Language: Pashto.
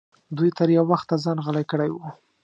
دوی تر یو وخته ځان غلی کړی و.